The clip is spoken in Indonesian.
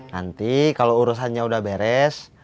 nanti kalau urusannya sudah beres